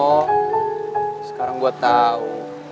oh sekarang gue tau